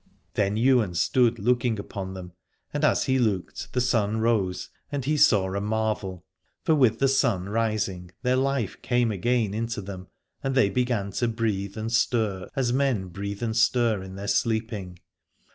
Then Ywain stood looking upon them, and as he looked the sun rose and he saw a marvel : for with the sun rising their life came again into them, and they began to breathe and stir as men breathe and stir in their sleeping.